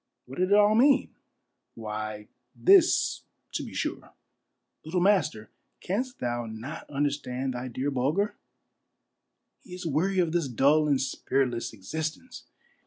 What did it all mean ? Why, this, to be sure :—" Little master, canst thou not understand thy dear Bulger ? He is weary of this dull and spiritless existence.